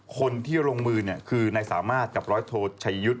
คนที่ลงมือคือนายสามารถกับร้อยโทชัยยุทธ์